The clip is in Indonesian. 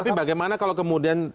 tapi bagaimana kalau kemudian